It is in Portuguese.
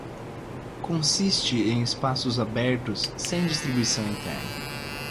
Consiste em espaços abertos sem distribuição interna.